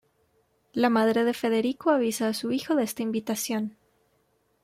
La madre de Federico avisa a su hijo de esta invitación.